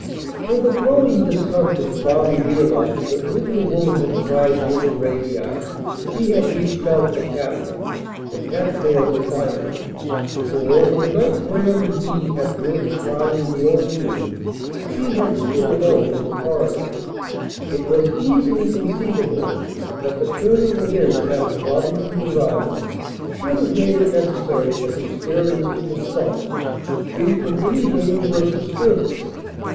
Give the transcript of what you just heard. With a growing discomfort Bobby realized that when the woman had cried near the graveyard he had reached out for Katherine and had failed to find her. Moreover, the night Graham and he had heard the crying in the old room she had stood alone in the corridor. It was easily conceivable that the turn of events after Robinson's arrival should have made it necessary for conspirators to consult free from any danger of disturbance.